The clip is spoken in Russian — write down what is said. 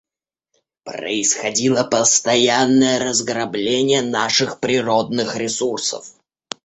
Происходило постоянное разграбление наших природных ресурсов.